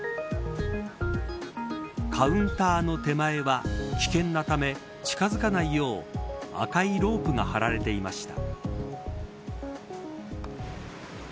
カウンターの手前は危険なため近づかないよう赤いロープが張られていました。